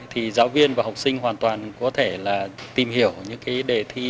thì giáo viên và học sinh hoàn toàn có thể là tìm hiểu những cái đề thi